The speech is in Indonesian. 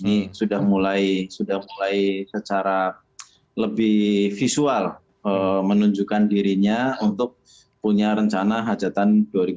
ini sudah mulai secara lebih visual menunjukkan dirinya untuk punya rencana hajatan dua ribu dua puluh